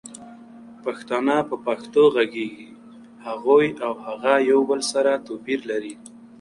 پښتانه په پښتو غږيږي هغوي او هغه يو بل سره توپير لري